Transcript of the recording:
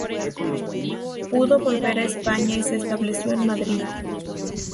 Pudo volver a España y se estableció en Madrid.